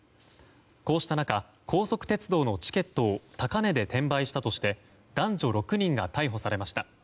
こうした中高速鉄道のチケットを高値で転売したとして男女６人が逮捕されました。